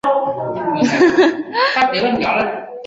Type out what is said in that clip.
吏部尚书完颜奴申为参知政事。